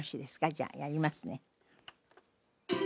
じゃあやりますね。